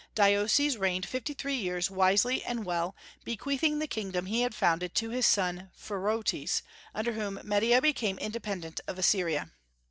Deioces reigned fifty three years wisely and well, bequeathing the kingdom he had founded to his son Phraortes, under whom Media became independent of Assyria.